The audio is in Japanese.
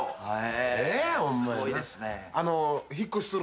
はい。